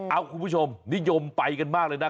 คุณผู้ชมนิยมไปกันมากเลยนะ